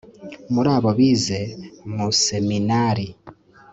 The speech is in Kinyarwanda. muri abo bize mu seminari